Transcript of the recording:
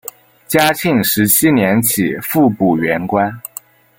嘉庆十七年起复补原官。